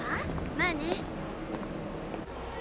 まあね。